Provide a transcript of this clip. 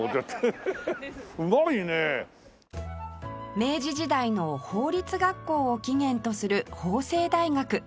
明治時代の法律学校を起源とする法政大学